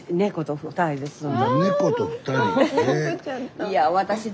いや私の。